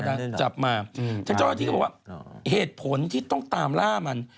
จับมาทางเจ้าหน้าที่ก็บอกว่าเหตุผลที่ต้องตามล่ามัน